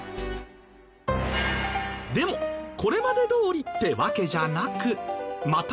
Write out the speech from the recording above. でもこれまでどおりってわけじゃなくまた